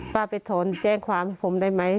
ป้าไปจนแจ้งความเรื่องช่องใช้ผมได้ไหม